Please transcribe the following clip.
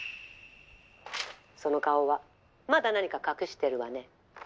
その顔はまだ何か隠してるわね？